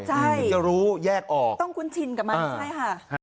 ใช่ถึงจะรู้แยกออกต้องคุ้นชินกับมันใช่ค่ะ